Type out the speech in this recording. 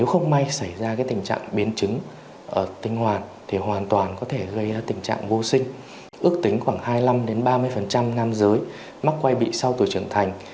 ước tính khoảng hai mươi năm ba mươi nam giới mắc quai bị sau tuổi trưởng thành